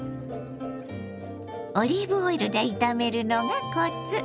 オリーブオイルで炒めるのがコツ。